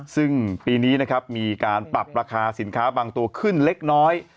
ซึ่งปีนี้นะครับมีการปรับราคาสินค้าบางตัวขึ้นเล็กน้อย